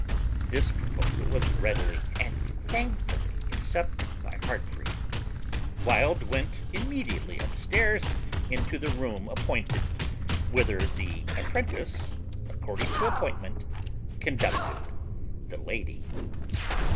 This proposal was readily and thankfully accepted by Heartfree. Wild went immediately up stairs into the room appointed, whither the apprentice, according to appointment, conducted the lady.